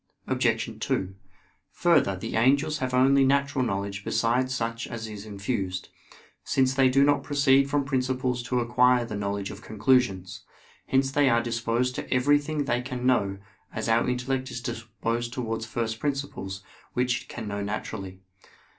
Obj. 2: Further, the angels have only natural knowledge besides such as is infused: since they do not proceed from principles to acquire the knowledge of conclusions. Hence they are disposed to everything they can know, as our intellect is disposed towards first principles, which it can know naturally.